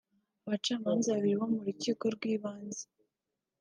abacamanza babiri bo mu rukiko rw’ibanze